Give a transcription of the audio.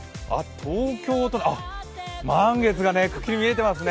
あっ、満月がくっきり見えていますね。